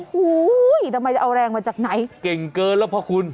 โอ้โหทำไมจะเอาแรงมาจากไหนเก่งเกินแล้วพ่อคุณ